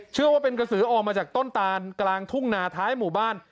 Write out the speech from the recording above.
เชื่อว่าเป็นกระสือออกมาจากต้นตานกลางทุ่งนาท้ายหมู่บ้าน